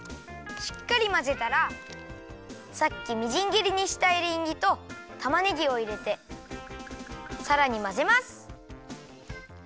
しっかりまぜたらさっきみじんぎりにしたエリンギとたまねぎをいれてさらにまぜます。